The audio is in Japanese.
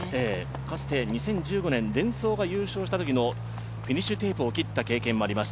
かつて２０１５年、デンソーか優勝したときのフィニッシュテープを切った経験もあります。